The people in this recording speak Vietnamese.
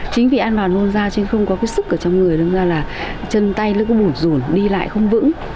chính vì ăn vào nôn ra chứ không có cái sức ở trong người nên là chân tay nó cứ bụt rùn đi lại không vững